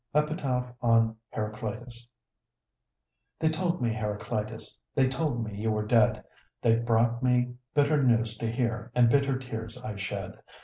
EPITAPH ON HERACLEITUS They told me, Heracleitus, they told me you were dead; They brought me bitter news to hear, and bitter tears I shed.